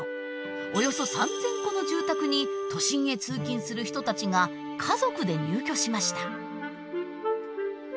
およそ３，０００戸の住宅に都心へ通勤する人たちが家族で入居しました。